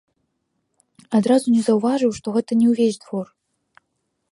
Адразу не заўважыў, што гэта не ўвесь двор.